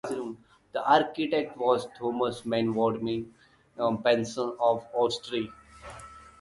The architect was Thomas Mainwaring Penson of Oswestry.